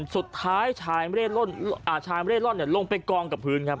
สุดท้ายชายไม่ได้ร่อนอ่าชายไม่ได้ร่อนเนี้ยลงไปกองกับพื้นครับ